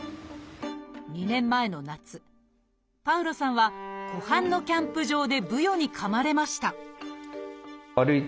２年前の夏パウロさんは湖畔のキャンプ場でブヨにかまれました